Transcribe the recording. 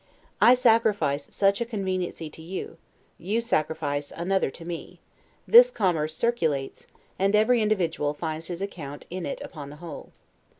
I sacrifice such a conveniency to you, you sacrifice another to me; this commerce circulates, and every individual finds his account in it upon the whole.